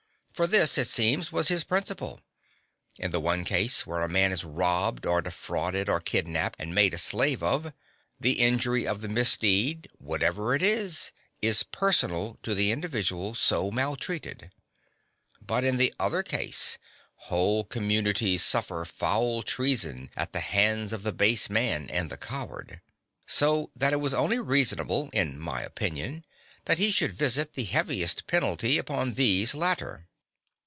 For this, it seems, was his principle: in the one case, where a man is robbed, or defrauded, or kidnapped, and made a slave of, the injury of the misdeed, whatever it be, is personal to the individual so maltreated; but in the other case whole communities suffer foul treason at the hands of the base man and the coward. So that it was only reasonable, in my opinion, that he should visit the heaviest penalty upon these latter.